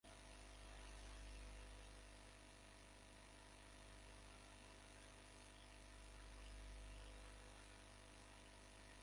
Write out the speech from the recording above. অভিভাবকদের সঙ্গে মত বিনিময়ের জন্য আছে অভিভাবক দিবসের ব্যবস্থা।